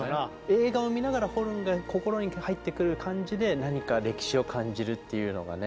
映画を見ながらホルンが心に入ってくる感じで何か歴史を感じるっていうのがね。